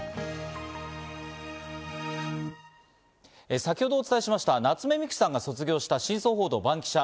先ほどお伝えしました夏目三久さんが卒業した『真相報道バンキシャ！』